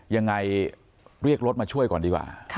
ยังไงเรียกรถมาช่วยก่อนดีกว่า